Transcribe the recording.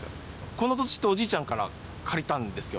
この土地って、おじいちゃんから借りたんですよ。